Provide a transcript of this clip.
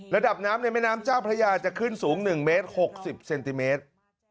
ระดับน้ำในแม่น้ำเจ้าพระยาจะขึ้นสูง๑เมตร๖๐เซนติเมตร